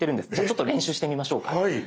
ちょっと練習してみましょうか。